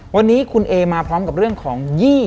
วันนี้คุณเอมาพร้อมกับเรื่องของ๒๐